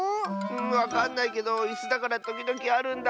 わかんないけどいすだからときどきあるんだ。